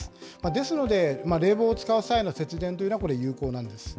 ですので、冷房を使う際の節電というのはこれ、有効なんです。